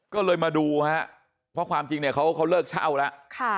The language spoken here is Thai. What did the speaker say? ก็เลยมาดูฮะเพราะความจริงเนี่ยเขาเลิกเช่าแล้ว